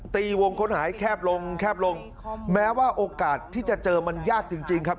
ตีวงค้นหาให้แคบลงแคบลงแม้ว่าโอกาสที่จะเจอมันยากจริงจริงครับ